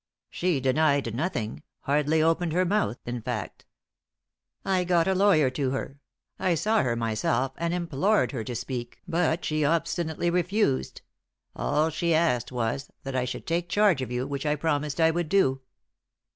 "She denied nothing hardly opened her mouth, in fact. I got a lawyer to her I saw her myself and implored her to speak but she obstinately refused. All she asked was, that I should take charge of you, which I promised I would do."